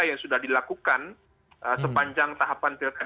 yang sudah dilakukan sepanjang tahapan pilkada